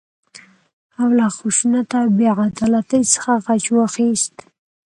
او له خشونت او بې عدالتۍ څخه غچ واخيست.